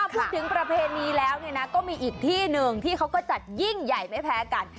พูดถึงประเพณีแล้วเนี่ยนะก็มีอีกที่นึงที่เขาก็จัดยิ่งใหญ่ไม่แพ้กัน